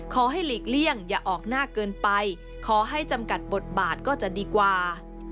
หลีกเลี่ยงอย่าออกหน้าเกินไปขอให้จำกัดบทบาทก็จะดีกว่า